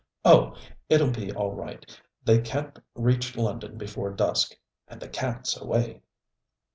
Oh! it'll be all right. They can't reach London before dusk. And the cat's away.'